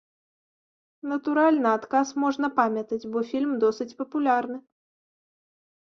Натуральна, адказ можна памятаць, бо фільм досыць папулярны.